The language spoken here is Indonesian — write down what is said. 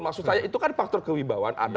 maksud saya itu kan faktor kewibawaan ada